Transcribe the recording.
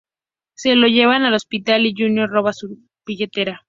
Se lo llevan al hospital y Junior roba su billetera.